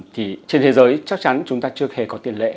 thì trên thế giới chắc chắn chúng ta chưa hề có tiền lệ